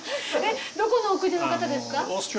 どこのお国の方ですか？